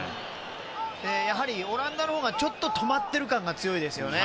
やはりオランダのほうがちょっと止まっている感が強いですよね。